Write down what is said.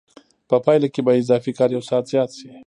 په پایله کې به اضافي کار یو ساعت زیات شي